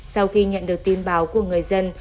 sau khi nhận được tin báo của người dân